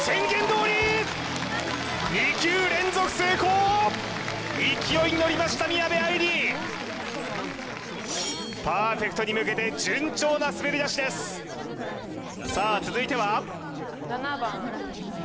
２球連続成功勢いに乗りました宮部藍梨パーフェクトに向けて順調な滑り出しですさあ続いては？